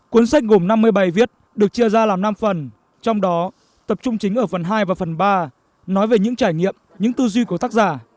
cuốn sách gồm năm mươi bảy viết được chia ra làm năm phần trong đó tập trung chính ở phần hai và phần ba nói về những trải nghiệm những tư duy của tác giả